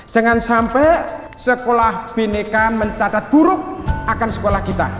jangan sampai sekolah bineka mencatat buruk akan sekolah kita